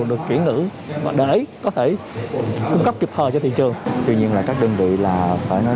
được chuyển ngữ để có thể cung cấp trực thời cho thị trường tuy nhiên là các đơn vị là phải nói